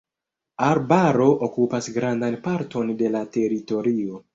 Arbaro okupas grandan parton de la teritorio.